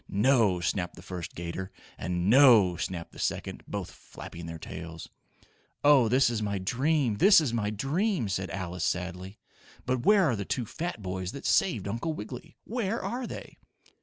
"No!" snapped the first 'gator. And "No!" snapped the second, both flapping their tails. "Oh, this is my dream! This is my dream!" said Alice, sadly. "But where are the two fat boys that saved Uncle Wiggily. Where are they?"